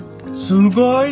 すごいね！